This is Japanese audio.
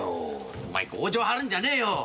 お前強情張るんじゃねえよ！